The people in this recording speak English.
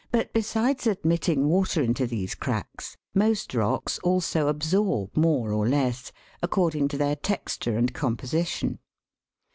besides admitting water into these cracks, most rocks also absorb more or less, according to their texture and composi tion.